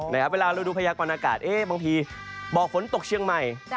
นะครับเวลาฤดูภัยกวันอากาศบางทีบอกฝนตกเชียงใหม่